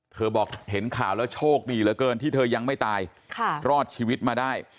บอกเห็นข่าวแล้วโชคดีเหลือเกินที่เธอยังไม่ตายรอดชีวิตมาได้